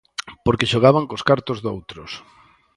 Porque xogaban cos cartos doutros.